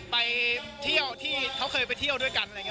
ไปเที่ยวที่เขาเคยไปเที่ยวด้วยกันอะไรอย่างนี้